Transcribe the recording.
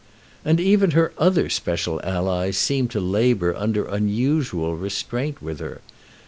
And even her other special allies seemed to labour under unusual restraint with her.